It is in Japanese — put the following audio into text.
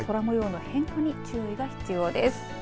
空模様の変化に注意が必要です。